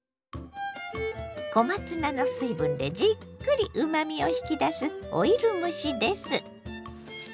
小松菜の水分でじっくりうまみを引き出すオイル蒸しです。